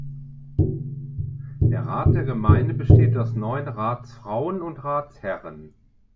Der Rat der Gemeinde besteht aus neun Ratsfrauen und Ratsherren.